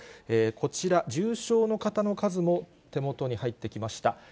こちら、重症の方の数も手元に入ってきました。